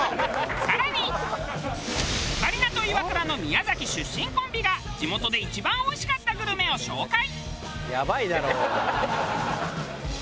さらにオカリナとイワクラの宮崎出身コンビが地元で一番おいしかったグルメを紹介！